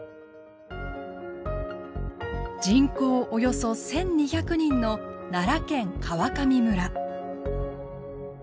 人口およそ１，２００人の奈良県川上村。